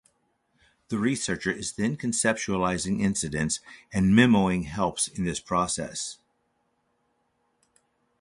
The researcher is then conceptualizing incidents, and memoing helps this process.